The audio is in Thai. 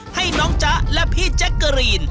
ให้น้องจ๊ะและพี่แจ๊กเกอรีน